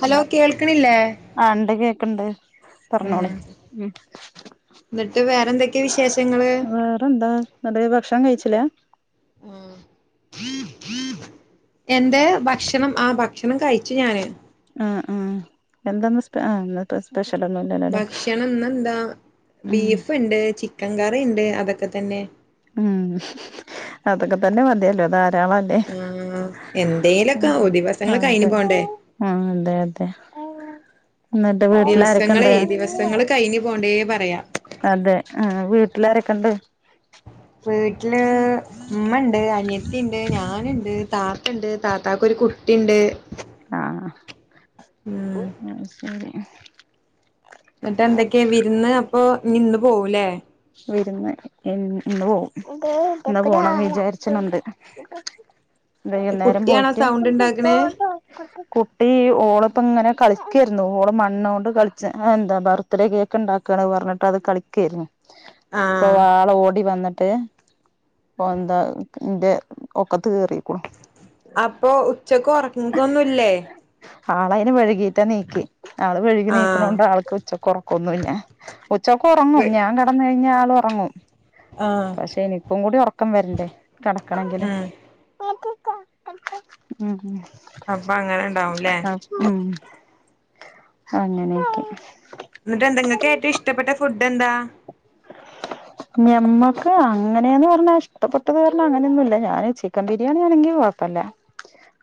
Hello കേൾക്ക്ണില്ലേ ക്ക്ണ്ട് പറഞ്ഞോളി ഇം എന്നിട്ട് വേറെന്തൊക്കെയാ വിശേഷങ്ങള് വേറെന്താ അന്നിട്ടീ ഭക്ഷണം കഴിച്ചില്ല ഇം എന്ത് ഭക്ഷണം ആ ഭക്ഷണം കഴി ച്ച് ഞാന് ആ ആ എന്താന്ന് സ് ഇന്നത്തെ സ്പെഷ്യ ഭക്ഷണം ന്നെന്താ ഉം ബീഫ്ണ്ട് ചിക്കൻ കറിണ്ട് അതൊക്കെ തന്നെ മ്മ് അതൊക്കെ തന്നെ മത്യല്ലോ ധാര ളല്ലെ ആ എന്തേലൊക്കെ ഇം ദിവസങ്ങള് കഴിഞ്ഞു അതെ പോണ്ടേ ആ അതെ അതെ ന്നട്ട് ദിവസങ്ങളേ വീട്ടിലാരൊക്കെണ്ട് ദിവസങ്ങള് കഴിഞ്ഞു പോണ്ടേ പറയാ അതെ ആ വീട്ടിലാരൊക്കെണ്ട് വീട്ടില് മ്മണ്ട് അനിയത്തിണ്ട് ഞാനുണ്ട് താത്തണ്ട് താത്തക്കൊരു കു ട്ടിണ്ട് ആഹ് [inaudible] ന്നിട്ട് എന്തൊക്കെയാ വിരുന്ന് അപ്പൊ ഞ്ഞി ന്ന് പോവുലേ വിരുന്ന് ഇന്ന് ഇന്ന് പോവും ന്ന് പോണം വിചാരിച്ച്ണുണ്ട് വൈന്നേരം കുട്ടിയാണോ പോയിട്ട് സൗണ്ട് ഉണ്ടാക്കണേ കുട്ടി ഓള് ഇപ്പൊ അങ്ങനെ കളി- കളിക്കായിരുന്നു ഓള് മണ്ണോണ്ട് കളിച്ച് എന്താ ബർത്ത്ഡേ കേക്ക് ഇണ്ടാക്കാണ്ന്ന് പറഞ്ഞിട്ട് അത് കളിക്കായിരുന്നു ഓ ആഹ് ആൾ ഓടി വന്നിട്ട്- ട്ട് എന്താ എന്റെ ഒക്കത്ത് കേറീക്ക്ണു അപ്പൊ ഉച്ചക്ക് ഒറക്ക്കൊന്നുല്ലേ ആള് അതിന് വഴ്കീട്ടാ യെനിയ്ക്കെ ആള് വഴ്കി ആഹ് യെനിക്കാനൊണ്ട് ആൾക്ക് ഉച്ചക്ക് ഒറക്കൊന്നുല്ല ഉച്ചക്ക് ഒറങ്ങും ഞാൻ കെടന്ന് കഴിഞ്ഞ ആള് ഒറങ്ങും ആഹ് പക്ഷെ എനിക്കും കൂടി ഒറക്കം വരണ്ടേ കെടക്കണെങ്കില് ഉം മ്മ് അപ്പൊ അങ്ങനെ ഇണ്ടാവും ഇല്ലേ അങ്ങനെയൊക്കെ എന്ന്ട്ട് എന്താ നിങ്ങക്ക് ഏറ്റവും ഇഷ്ടപ്പെട്ട ഫുഡ് എന്താ ഞമ്മക്ക് അങ്ങനെന്ന് പറഞ്ഞാ ഇഷ്ടപ്പെട്ടത് പറഞ്ഞാ അങ്ങനെയൊന്നും ഇല്ല -ഞാന് ചിക്കൻ ബിരിയാണി ആണെങ്കിൽ കൊഴപ്പയില്ല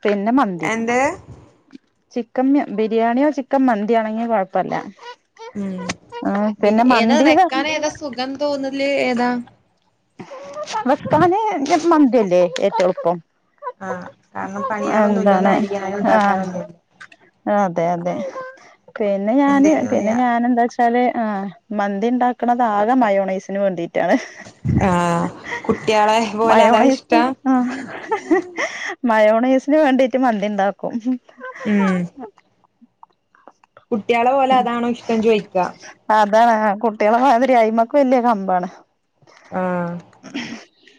പിന്നെ മന്തി എന്ത് ചിക്കം ബിരിയാണിയോ ചിക്കൻ മന്തിയാണോ എങ്കി കൊഴപ്പല്ല ആ പിന്നെ മന്തി ഇത്‌ വെക്കാന് ഏതാ സുഖം തോന്നതില് ഏതാ? വെക്ക്ണത് ഞ് മന്തിയല്ലേ ഏറ്റോം എളുപ്പം ആ കാരണം പണികളൊന്നുല്ല ഒന്ന് അരിയാനോ ഇതെക്കാനും ഒന്നുമില്ലേ ആ അതെ അതെ പിന്നെ ഞാന് എന്തേലും പിന്നെ ഞാന് എന്താ വെച്ചാല് ആ മന്തി ഇണ്ടാക്കണത് ആകെ മയോണൈസിന് വേണ്ടിട്ടാണ് ആഹ് കുട്ടിയാളെ പോലെ അതാ മയോണൈസ് ഇഷ്ടം ആഹ് മയോണേസിന് വേണ്ടിട്ട് മന്തി ഇണ്ടാക്കും മ് കുട്ടികള് പോലും അതാണോ ഇഷ്ടം ചോയ്ക്കവാ അതാണ് ആ കുട്ടികളെ മാതിരി അയ്മക്ക് വല്ല്യ കമ്പാണ് ആഹ് [inaudible]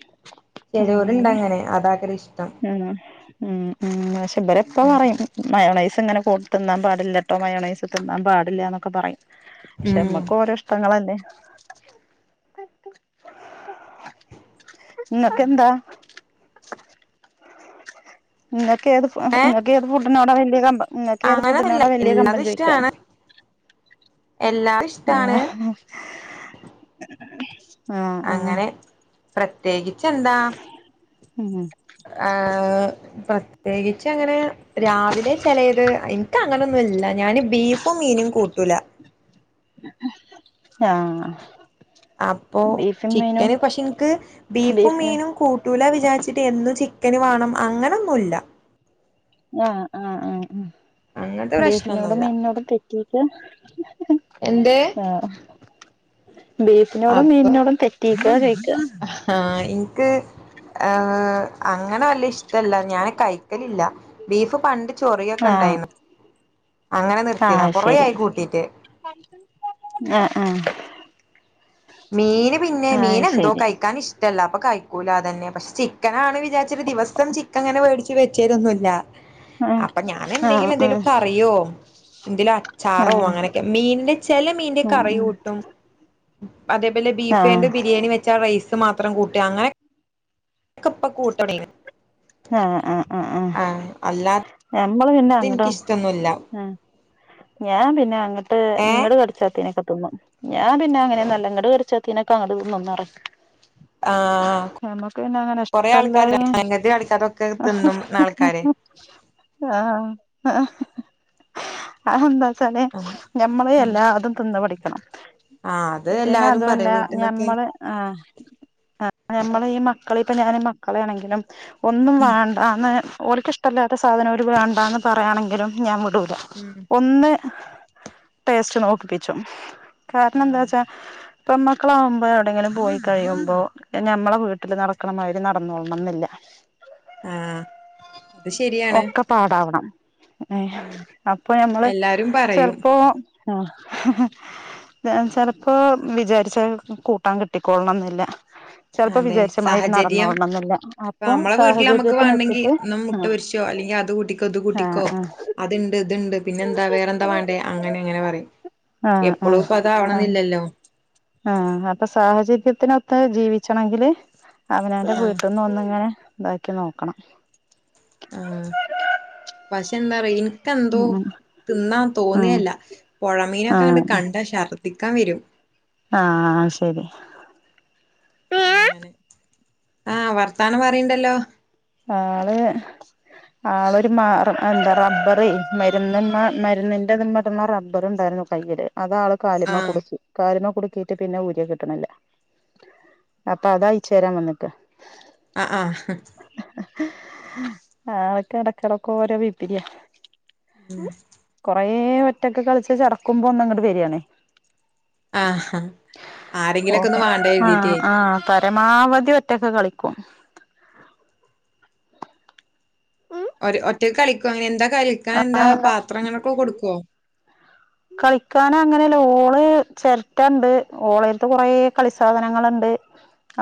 ചെലോര് ഇണ്ട് അങ്ങനെ അതാഗ്ര - ആണോ ഉം ഉം മാഷും പറയും ഇപ്പ പറയും അങ്ങനെ മയോണയിസ് ഇത്‌ ഇങ്ങനെ [unintelligible] തിന്നാൻ പാടില്ല ട്ടോ മയോനയിസ് തിനാൻ പാടില്ല യാന്നൊക്കെ പറയും പക്ഷേ ഉം നമ്മക്ക് ഓരോ ഇഷ്ടങ്ങളല്ലേ നിങ്ങക്ക് എന്താ ഇങ്ങക്ക് ഏത് ഏ ഏത് ഫുഡ്ഡിനോടാ വല്ലിയ കമ്പം നിങ്ങക്ക് ഏത് അങ്ങനൊന്നല്ല ഫുഡ്ഡിനോടാ വെല്ല്യ കമ്പം എല്ലാതും ചോയ്ക്ക ഇഷ്ടാണ് എല്ലാതും ഇഷ്ടാണ് ആഹ് ആ ത്യേകിച്ചെന്താ മ് ആ ഹ് പ്രത്യേകി ച്ചങ്ങനെ രാവിലെ ചെലേത് എനിക്ക് അങ്ങനൊന്നും ഇല്ല ഞാന് ബീഫും മീനും കൂട്ടൂല [unintelligible] ആഹ് അപ്പൊ ബീഫും മീനും ചിക്കന് പക്ഷെ നിക്ക് ബീഫും ബീഫിനും മീനും കൂട്ടൂല വിചാര്ച്ചിട്ട് എന്നും ചി ചിക്കന് വാണം അങ്ങനൊന്നുല്ല ആഹ് ആ ഹ് ആഹ് അങ്ങൻത്തെ ബീഫ്നോടും പ്രശ്നൊന്നുല്ല മീനിനോടും തെറ്റീക്കാ എന്തേ ആ ബീഫ്നോടും അപ്പൊ മീൻനോടും തെറ്റീക്കാ ചോഴ്ക്ക ക്ക് [unintelligible] അങ്ങന വല്ല്യ ഷ് ട്ടല്ല ഞാന് കഴിക്കലില്ല ബീഫ് പണ്ട് ചൊറിയൊക്കെ ആഹ് ണ്ടായ്ന്നു അങ്ങന ന്നിർത്തിതാ ആഹ് കൊറെ ശരി ആയി കൂട്ടീട്ട് ആഹ് ആഹ് മീന് പിന്നെ ആഹ് മീന ന്തോ ശരി കഴിക്കാന് ഇഷ്ടല്ല അപ്പ കഴ് ക്കൂല അതന്നെ പഷ് ചിക്കനാണ് വിചാര്ച്ച്ട്ട് ദിവസം ചിക്കം ങ്ങനെ വേട്ച്ച് വെച്ചിഎരുന്നുല്ല ആഹ് അപ്പം ആഹ് ഞാനന്തെങ്കിലും എന്തേലു ആഹ് കറിയോ എന്തിലും അച്ചാറോ ആഹ് അങ്ങനൊക്കെ മീൻന്റെ ചെല മീൻന്റെ ഉം കറി ഉം യൂട്ടും അതേപൊലെ ആഹ് ബീഫേണ്ട് ബിരിയാണി വെച്ചാ ആ റെയ് സ് മാത്രം കൂട്ട്അ അങ്ങനെ ക്ക പ്പ കൂട്ടലൊട്ങ്ങീണ് ആ ആ ആ ആ അല്ലാത്തത് ആം മ്മള് പിന്നെ അങ്ങടൊ എനിക്കിഷ്ടൊന്നുല്ല അ ഞാൻ പിന്നെ അങ്ങട്ട് ഏ ങ്ങട്ട് കടിച്ചാത്തേനൊക്കെ ത് ഞാ പിന്നെ അങ്ങനെ ഒന്നുഅല്ല ങ്ങട്ട് കട്ച്ചാത്തീനൊക്കെ അങ്ങട്ട് തിന്ന് [inaudible] ആ [unintelligible] ഞമ്മക്ക് പിന്നെ അങ്ങനെ കൊറേ ആൾക്കാര് ഇഷ്ടല്ലായേ സംഗതി ആൾക്കാരൊക്കെ തിന്നും ആൾക്കാര് [unintelligible] [inaudible] ചല് ഉം ഞമ്മള് എല്ലാ അതും ത് ന്ന് പഠിക്കണം ആ അത് പിന്ന എല്ലാരും അതുഅല്ല പറയും വീട്ടിന്നൊക്കെ ഞമ്മള് ആ അ ഞമ്മള് ഈ മക്കളെ പ്പ ഞാന് മക്കളെയാണെങ്കിലും ഒന്നും വാണ്ടാന്ന് ഓർക്കിഷ്ട്ടല്ലാത്ത സാധനം ഓര് വേണ്ടാന്ന് പറയാണെങ്കിലും ഞാം വിടൂല. ഉം ഒന്ന് ടേസ്റ്റ് നോക്കിപ്പിച്ചും. ആ കാരണന്താച്ചാ പ്പെമ്മക്കളാവുമ്പോ എവടേലും പോയി കഴിയുമ്പോ ഞമ്മളെ വീട്ടില് നടക്ക്ണമാരി നടന്നോളണം ന്നില്ല. ആ അത് ശരിയാണ് ഒക്കെ പാടാവണം. ഉം അപ്പ ഞമ്മള് എല്ലാരും പറയും ചെലപ്പോ ചെലപ്പോ വിചാരിച്ച കൂട്ടാം കിട്ടികോളണം ന്നില്ല [unintelligible] ചെലപ്പോ അതെ വിചാരിച്ചമാരി സാഹചര്യം നടന്നോണം ന്നില്ല ഇപ്പ അപ്പം നമ്മളെ വീട്ടിൽ നമുക്ക് വേണെങ്കി സാഹചര്യത്തിനെച്ച്ട്ട് ഒന്ന് മുട്ട ആഹ് പൊരിച്ചോ അല്ലെങ്കിൽ അത് കൂട്ടിക്കോ ഇത് കൂട്ടിക്കോ അത്ണ്ട് ത്ണ്ട് പിന്നെ ന്താ വേറെ ന്താ വാണ്ടേ അങ്ങനെ അങ്ങനെ പറയും. ആ എപ്പളുപ്പോ അതാവണന്നില്ലല്ലോ ആഹ് അപ്പ സാഹചര്യത്തിനൊത്ത് ജീവിച്ചണെങ്കില് അവനാന്റെ ആ വീട്ട്ന്ന് ഒന്ന്ങ്ങനെ താക്കി നോക്കണം. ആ ത എന്തൂ ഉം തിന്നാ ഉം തോന്നേല്ല. ആ പൊഴമീനൊക്കെ ങ്ങട്ട് കണ്ടാ ശർ ദ്ദി ക്കാം വെരും. ആഹ് ശെരി അങ്ങനെ ആഹ് വർത്താനം പറീണ്ടല്ലോ ആള് ആളൊര് മ എന്താ റബ്ബറെയ് മര്ന്ന്മ മര്ന്നിന്റെതീമേട്ണെ റബ്ബറ്ണ്ടായിര്ന്നു. കൈയ്യില് അത് ആള് കാല്മ്മെ ആഹ് കുട്ക്കി കാല്മ്മെ കുട് ക്കീറ്റ് പിന്നെ ഊര്യാ കിട്ട്ണില്ല. അപ്പതയ്ച്ചേരാം വന്ന്ക്കാ. ആ ആ ആൾക്കെടക്കെടക്കോരോ പിപ്പിര്യാ. കൊറേ ഒറ്റക്ക് കളിച്ച് ചടക്കുമ്പോ ഒന്ന് ങ്ങട്ട് വര്യാണേ. ആഹ് ആഹ് ആരെങ്കിലൊക്കെ ഒന്ന് ഓക്കേ വാണ്ടേ കരുതീട്ടേ ആഹ് ആഹ് പര പരമാവധി ഒറ്റക്ക് കളിക്കും. ഒര് ഒറ്റക്ക് കളിക്കോ അങ്ങനെക്കെ? ആഹ് കളിക്കാനങ്ങനെയല്ല ഓള് ചെര്ട്ടണ്ട്, ഓളര്ത്ത് കൊറേ കളി സാധനങ്ങള്ണ്ട്.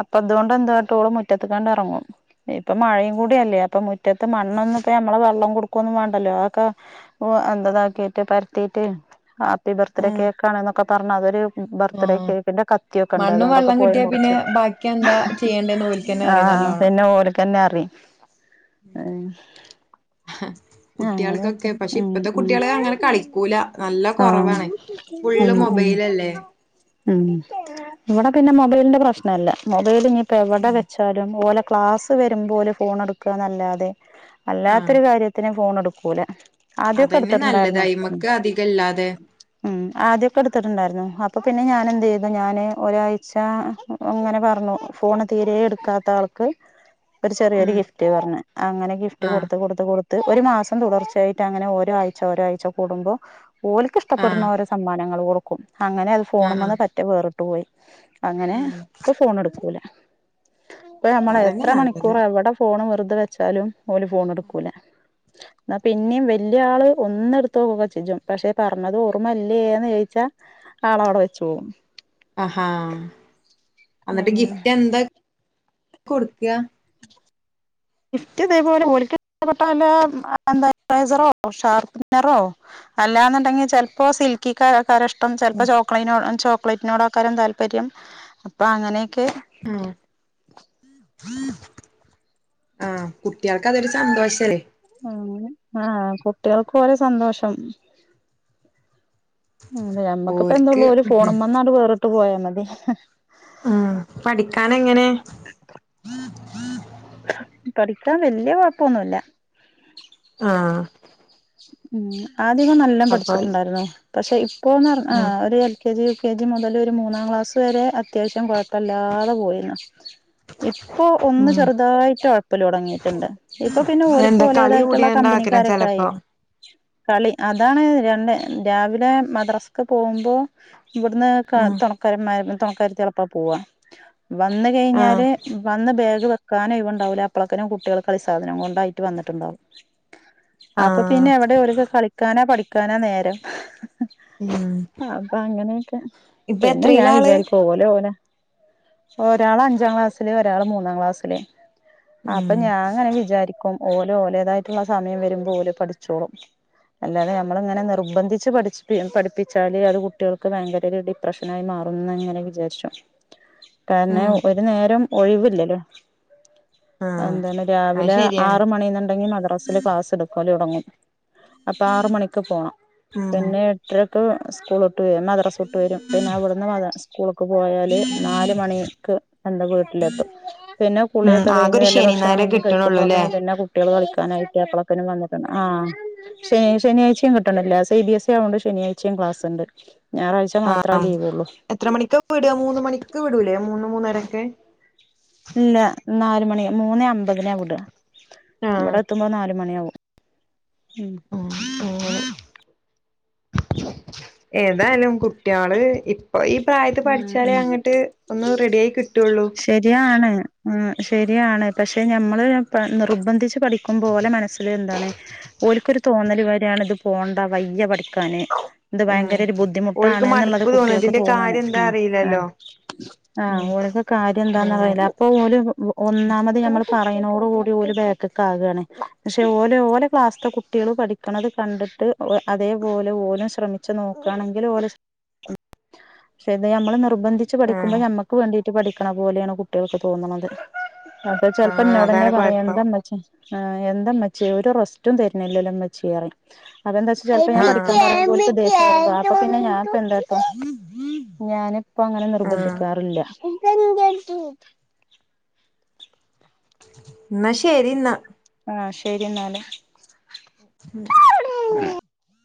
അപ്പതോണ്ട് എന്താട്ടും ഓള് മുറ്റത്ത്ക്കങ്ങട്ടെഇറങ്ങും ഇപ്പൊ മഴീകൂട്യല്ലേ അപ്പൊ മുറ്റത്ത് മണ്ണൊന്നുപ്പോ നമ്മള് വെള്ളം കൊട്ക്കൊന്നും വേ ണ്ടല്ലോ ആക്ക എന്ത താക്കിട്ട് പരത്തീറ്റ് ഹാപ്പി ബർത്ത്ഡേ ആഹ് കേക്കാണ്ന്നൊക്കെ പറഞ്ഞ അതൊരു ബർത്ത്ഡേ ആഹ് കേക്കിന്റെ കത്തിഒക്കെണ്ട് മണ്ണും അതോണ്ടൊക്കെ വെള്ളം പോയി കിട്ടിയാ പിന്നെ മുറിച്ചും ബാക്കി എന്താ ആഹ് ചെയ്യേണ്ടേന്ന് ഓൽക്കന്നെ അറിയും ആഹ് നല്ലോണം പിന്നെ ഓൽക്കന്നെ അറീം കുട്ട്യാൾക്കൊക്കെ പക്ഷെ ഇപ്പത്തെ കുട്ട്യാള് അങ്ങനെ കളിക്കൂല നല്ല ആഹ് കൊറവാണ് ഫുള്ള് മൊബൈൽ ലല്ലേ മ് ഇവടെ പിന്നെ മൊബൈലിന്റെ പ്രശ്നല്ല. മൊബൈല് ഞ്ഞിപ്പോ എവടെ വെച്ചാലും ഓലെ ക്ലാസ് വര്മ്പോല് ഫോണ് ഇട്ക്കാന്നല്ലാതെ ആഹ് അല്ലാത്തൊര് കാര്യത്തിന് ഫോൺ ഇട്ക്കൂല. ആദ്യൊക്കെ അതന്നെ നല്ലത് ഇട്ത്ത്ട്ട്ണ്ടായിര്ന്നു. മ് അയ്മക്ക് അധികം ഇല്ലാതെ മ് ആദ്യൊക്കെ എഇട്ത്ത്ട്ട്ണ്ടായിര്ന്നു. അപ്പ പിന്നെ ഞാന് എന്ത് ചെയ്തു ഞാന് ഒരാഴ്ച അങ്ങനെ പറഞ്ഞു ഫോണ് തീരെ ഇട്ക്കാത്ത ആൾക്ക് ഒരര് ചെറിയൊര് ഉം ഗിഫ്റ്റ് പറഞ്ഞു. അങ്ങനെ ഗിഫ്റ്റ് ആഹ് കൊട്ത്ത് കൊട്ത്ത് പ്പൊ ഒര്മാസം തുടർച്ചായ്റ്റ് ട അങ്ങനെ ഒരാഴ്ച ഒരാഴ്ച കൂടുമ്പോ ഓലക്ക് ഇഷ്ട്ടപ്പെട്ണ ആഹ് ഒരോ സമ്മാന ങ്ങള് കൊടുക്കും. അങ്ങനെ അത് ആഹ് ഫോണ്മ്മന്ന് ആഹ് പറ്റേ വേറ്ട്ട് പോയി അങ്ങനെ ഉം ഇപ്പ ഫോണ് ഇട്ക്കൂല. ഇപ്പ നമ്മള് അതന്നെ എത്ര നല്ലത് മണിക്കൂർ എവടെ ഫോണ് വെറുതെ വെച്ചാലും ഓല് ഫോൺ ഇട്ക്കൂലേ. ന്നാ പിന്നീം വെല്യേ ആള് ഒന്ന്‌ട്ത്ത് നോക്കൊക്കെചെജ്ജും പക്ഷെ പറഞ്ഞത് ഓർമ്മല്ലേന്ന് ചോയ്ച്ചാ ആളവടെ വെച്ച് പോവും ആഹാ അന്നട്ട് അങ്ങനെ ഗിഫ്റ്റ് എന്താ കൊടുക്കാ ഗിഫ്റ്റ്പോലെള ഇഷ്ടപ്പെട്ടൈസറോ ഷാർപ്പ്നറോ അല്ലാന്നുണ്ടെങ്കി ചിലപ്പോ സിൽക്കിക്കാരക്കെ ക്കാര ഇഷ്ട ചിലപ്പോ ചോക്ലേ ചോക്ലേറ്റിനോട് ആക്കാരം താല്പര്യം അപ്പൊ അങ്ങനെയൊക്കെ ആ ആഹ കുട്ടികൾക്ക് നക്ക അതൊരു സന്തോഷ അല്ലേ ആഹ കുട്ടികൾക്ക് പോരേ സന്തോഷം അ ഞമ്മക്കിപ്പ ഓര്ക്ക് എന്താള്ളൂ ഒരു ഉം ഫോണമ്മന്ന വേറിട്ട് പോയാ മതി ഉ പഠിക്കൻ എങ്ങനെ പഠിക്കാൻ വല്യ കൊഴപ്പൊന്നുമല്ല ആഹ് ഉ ആദ്യമം നല്ല അപ്പൊ പഠിച്ചിട്ടുണ്ടായിരുന്നു പക്ഷെ ഇപ്പോൊന്ന് പറ ആ ഉം ഒരു കെ ജി കെ ജി മുതൽ ഒരു മൂന്നാം ക്ലാസ് വരെ അത്യാവശ്യം കുഴപ്പല്ലാതെ പോയിരുന്നു ഇപ്പൊ ഒന്ന് ഉം ചെറുതായിട്ട് ഉഴപ്പ തുടങ്ങിയിട്ടുണ്ട് ഇപ്പൊ പിന്നെ അതെന്താ ഒരുഓലക്ക് കളി ലേതായിട്ടുള്ള കമ്പനി കൂടിയാണ്ടാക്കണം ചെലപ്പോ കാരക്കായില്ല കളി അതാണ് രണ്ട് രാവിലെ മദ്രാസക്ക് പോകുമ്പോ ഇവിടുന്ന് ഉം തുണക്കാരന്മാ തുണക്കരുത്തി എളപ്പാ പോവാ വന്ന ആഹ് കഴിഞ്ഞാല് വന്ന ബാഗ് ക്കാന ഇവണ്ടാവില്ല അപ്പ്ളക്കനും കുട്ടികൾ കളിസാധനം കൊണ്ടായിട്ട് വന്നിുണ്ടാവും ആഹ പിന്നെ എവിടെ ഒരു കളിക്കാനാ പഠിക്കാനോ നേരം ഉം അപ്പൊ അങ്ങനെ ഇപ്പൊ പിന്നെ ഞാൻ എത്രയിലാ ആള് വിചാരിക്കു ഓലെ ഓനെ ഒരാള് അഞ്ചാം ക്ലാസ്സില് ഒരാള് മൂന്നാം ക്ലാസ്സില് അപ്പൊ ഉം ഞാൻ അങ്ങനെ വിചാരിക്കും ഓലോ ഓലേതായിട്ടുള്ള സമയം വരുമ്പോൾ ഓലോ പഠിച്ച ചോളും അല്ലാതെ നമ്മളിങ്ങനെ നിർബന്ധിച്ച് പഠ പഠപ്പിച്ചാല് അത് കുട്ടികൾക്ക് ഭയങ്കര ഒരു ഡിപ്രഷന ആായി മാറ മാറങ്ങനെ വിചാരിച്ചു കാരണം ഉം ഒരു നേരം ഒഴിവില്ലല്ലോ ആഹ് എന്ത അത് രാവിലെ ശരിയാണ് ആറ മണീന്നുണ്ടെങ്കിൽ മദ്രാസിൽ ക്ലാസ് എടുക്കാലേ തുടങ്ങും അപ്പൊ ആറ മണിക്ക് പോണം ഉം പിന്നെ എട്ടരക്ക് സ്കൂൾ ട്ട്ും മദ്രസ്ൊട്ട് വരും പിന്നെ അവിടുന്ന് സ്കൂളക്ക് പോയാല് നാലല് മണിക്ക് എന്റെറെ വീട്ടിൽ പിന്നെ ഉം കുുള്ളിയൊക്കെ ആകെ കഴിഞ്ഞ് ഒരു വല്ല ശനി ഞായറേ ഭക്ഷണം കഴിക്കുമ്പോഴൊക്കെ കിട്ടണള്ളൂല്ലേ പിന്നെ കുട്ടികൾ കളിക്കാനായിട്ടാപ്പളക്കനന് വന്നിട്ടു ആ ശ ശനിയാഴ്ചയും കിട്ടണില്ല സി ബി എസ് ആവോൊണ്ട് ശനിയാഴ്ചയും ക്ലാസ് ഉണ്ട് ആഹ എത്ര മണിക്കൊെ വിട മൂന്ന മണിക്ക് വിടല്ലേ മൂന്ന് മൂന്നരൊക്കെ ഇല്ല നാലുമണി മൂന്നേ അമ്പതിനെവിട ആഹ് ഇവിടെ എത്തുമ്പോ നാല മണിയ ആകും ഉം ഏതായാലും കുട്ടികള് അപ്പൊ ഈ പ്രായത്ത് ഉം പഠിച്ചാലേ ഉം അങ്ങിട്ട് ഒന്ന് റെഡി ആയി കിട്ടുള്ളു ആ ശരിയാണ് പക്ഷെ ഞമ്മള് നിർബന്ധിച്ച് പഠിക്കും പോോലെ മനസ്സിൽ എന്താണ് ഒരിക്കൊരു തോന്നൽ വരെയാണ് ഇത് പോകണ്ട വയ്യ പഠിക്കാന് ഇത് ഉം ഭയങ്കര ഒരു ബുദ്ധിമുട്ടാണ് ഓൽക്ക് എന്നുള്ളത് മടുപ്പ് തോന്നും ഇതിന്റെ കുട്ടികൾക്ക് ് കാര്യം എന്താ അറിയില്ലല്ലോ ഉം കാര്യ എന്താന്ന അ അങ്ങനെ മ്മ പറയുന്നോടു കൂടി ഒരു ബാഗക്ക ആകുകയാണ്േ പക്ഷെ ഓല ഓലെ ക്ലാസ്സൽ കുട്ടികൾ പഠിക്കണത് കണ്ട് അതേപോലെ ഓലും ശ്രമിച്ചു നോക്കുകയാണെങ്കിൽ ഓലെ പക്ഷെ ഇത് നമ്മള് നിർബന്ധിച്ച് ആഹ് പഠിക്കുമ്പോൾ ഞമ്മക്ക് വേണ്ടിട്ട പഠിക്കണ പോലെയാണ് കുട്ടികൾക്ക് തോന്നുന്നത് അ ചെിലപ്പോ ആഹ് എന്നന്നോട്ന്നെ അതാണ് പറയ കൊഴപ്പം എന്താ വച്ച ആ എന്തമ്മച്ചി ഒരു റെസ്റ്റും തരുന്നില്ലല്ലമ്മച്ചറ അപ്പെന്താ വച്ചാ ചപ്പോാ ആഹ് പഠിക്ക ഉ അപ്പ പിന്നെഞാ ഞാനിപ്പ അങ്ങനെ ആഹ് നിർബന്ധിക്കാറില്ല എന്തന്ത ന ശരിന്ന ആഹ് ശരി എന്നാല് അ ഉ